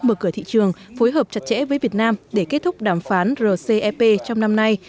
mở cửa thị trường phối hợp chặt chẽ với việt nam để kết thúc đàm phán rcep trong năm nay